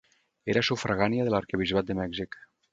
Era sufragània de l'arquebisbat de Mèxic.